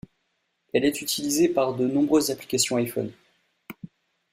Elle est utilisée par de nombreuses applications iPhone.